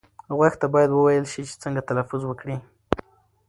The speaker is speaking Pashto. غوږ ته باید وویل شي چې څنګه تلفظ وکړي.